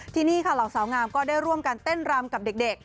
ที่นี่ค่ะเหล่าสาวงามก็ได้ร่วมกันเต้นรำกับเด็ก